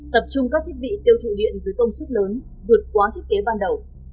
tập trung các thiết bị tiêu thụ điện với công suất lớn vượt quá thiết kế ban đầu